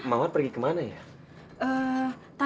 mawar pergi kemana ya